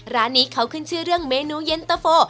ร้านนี้เขาคืนชื่อเรื่องเมนูเย็นตเตอร์โฟ